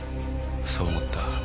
そう思った。